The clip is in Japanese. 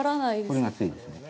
これが対ですね。